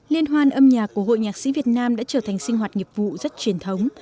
liên hoan âm nhạc của hội nhạc sĩ việt nam đã trở thành sinh hoạt nghiệp vụ rất truyền thống